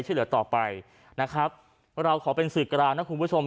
ช่วยเหลือต่อไปนะครับเราขอเป็นสื่อกลางนะคุณผู้ชม